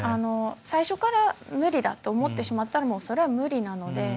最初から無理だと思ってしまったらそれは無理なので。